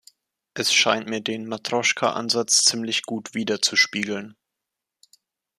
Es scheint mir den Matrjoschka-Ansatz ziemlich gut widerzuspiegeln.